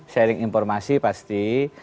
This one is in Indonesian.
sharing informasi pasti